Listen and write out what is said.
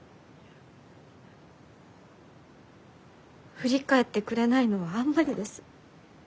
振り返ってくれないのはあんまりです。